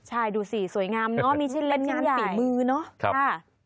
ใช่ดูสิสวยงามเนอะมีเช่นกันบินมือน่ะครับ